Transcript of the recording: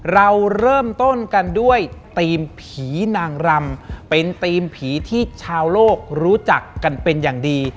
เราเริ่มต้นกันด้วยทีมผีนางรำเป็นทีมผีที่ชาวโลกรู้จักกันเป็นอย่างดี